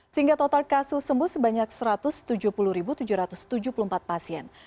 sehingga total kasus sembuh sebanyak satu ratus tujuh puluh tujuh ratus tujuh puluh empat pasien